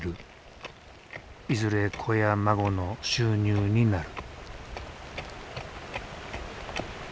いずれ子や孫の収入になる。